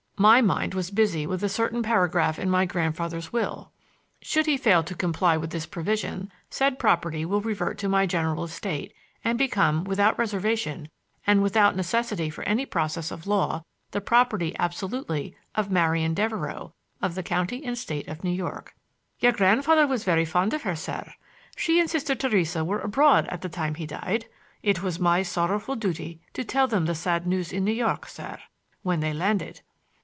My mind was busy with a certain paragraph in my grandfather's will: Should he fail to comply with this provision, said property shall revert to my general estate, and become, without reservation, and without necessity for any process of law, the property, absolutely, of Marian Devereux, of the County and State of New York. "Your grandfather was very fond of her, sir. She and Sister Theresa were abroad at the time he died. It was my sorrowful duty to tell them the sad news in New York, sir, when they landed."